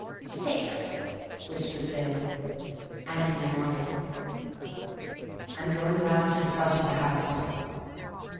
"Six," whispered Bill. Antony nodded. "I'm going round to the front of the house.